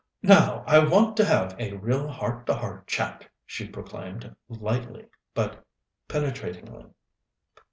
"Now I want to have a real heart to heart chat," she proclaimed, lightly but penetratingly.